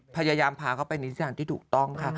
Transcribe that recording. พยายามพาเขาไปในสถานที่ถูกต้องค่ะ